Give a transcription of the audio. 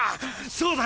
そうだ！